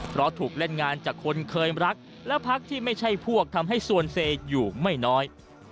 เพราะถูกเล่นงานจากคนเคยรักและพักที่ไม่ใช่พวกทำให้สวนเซอยู่ไม่น้อย